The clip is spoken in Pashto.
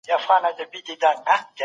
ما پرون د پښتو یو زوړ خط وموندی